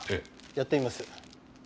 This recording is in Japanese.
やってみます。